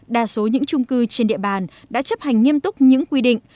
đa số những trung cư trên địa bàn đã chấp hành nghiêm túc những quy định